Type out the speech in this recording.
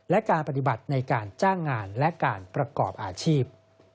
และการปฏิบัติในการจ้างงานและการประกอบอาชีพ